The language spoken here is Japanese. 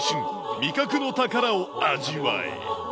味覚の宝を味わえ。